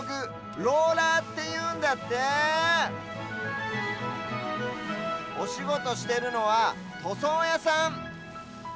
「ローラー」っていうんだっておしごとしてるのはとそうやさん！